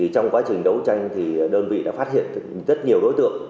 trong quá trình đấu tranh thì đơn vị đã phát hiện rất nhiều đối tượng